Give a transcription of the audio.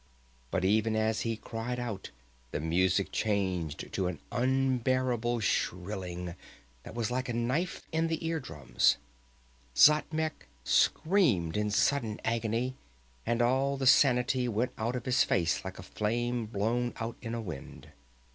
But even as he cried out, the music changed to an unbearable shrilling that was like a knife in the ear drums. Xatmec screamed in sudden agony, and all the sanity went out of his face like a flame blown out in a wind.